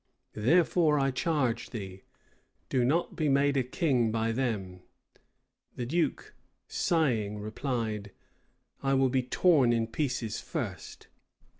Therefore I charge thee, do not be made a king by them!" The duke, sighing, replied, "I will be torn in pieces first!"